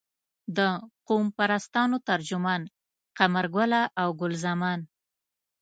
د قوم پرستانو ترجمان قمرګله او ګل زمان.